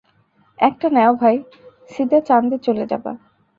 একটা নেও ভাই, সিদা চাঁন্দে চলে যাবা।